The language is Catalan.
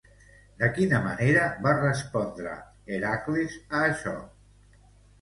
De quina manera va respondre Hèracles a això?